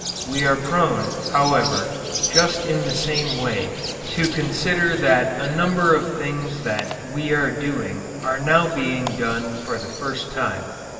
We are prone, however, just in the same way, to consider that a number of things that we are doing are now being done for the first time.